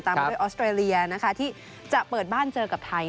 มาด้วยออสเตรเลียนะคะที่จะเปิดบ้านเจอกับไทย